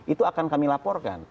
itu akan kami laporkan